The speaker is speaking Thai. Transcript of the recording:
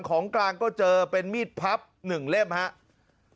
ของกลางก็เจอเป็นมีดพับ๑เล่มครับ